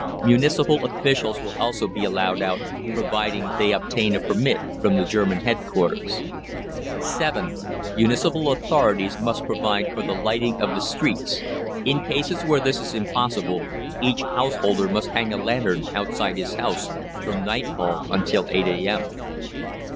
Municipal officials will also be allowed out, providing they obtain a permit from the German headquarters. (7) MUNICIPAL AUTHORITIES MUST provide for the lighting of the streets. In cases where this is impossible, each householder must hang a lantern outside his house from nightfall until 8 A.M.